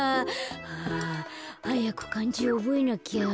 はあはやくかんじおぼえなきゃ。